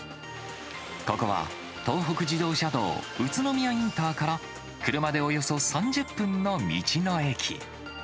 ここは東北自動車道宇都宮インターから車でおよそ３０分の道の駅。